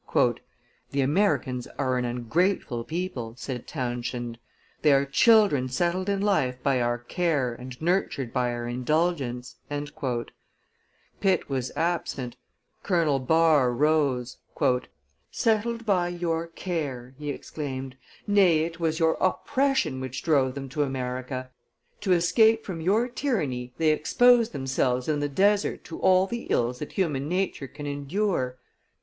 "The Americans are an ungrateful people," said Townshend; "they are children settled in life by our care and nurtured by our indulgence." Pitt was absent. Colonel Barre rose: "Settled by your care!" he exclaimed; "nay, it was your oppression which drove them to America; to escape from your tyranny, they exposed themselves in the desert to all the ills that human nature can endure!